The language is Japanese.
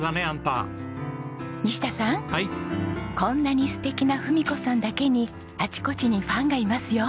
こんなに素敵な文子さんだけにあちこちにファンがいますよ。